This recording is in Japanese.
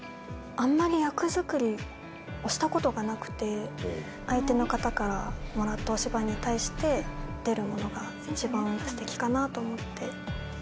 あんまり役作りをしたことがなくて、相手の方からもらったお芝居に対して、出るものが一番すてきかなと思って。